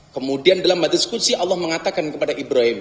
kemudian dalam diskusi allah mengatakan kepada ibrahim